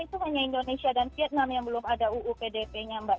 itu hanya indonesia dan vietnam yang belum ada uu pdp nya mbak